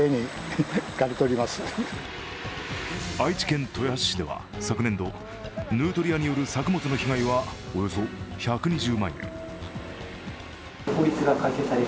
愛知県豊橋市では昨年度、ヌートリアによる作物の被害はおよそ１２０万円。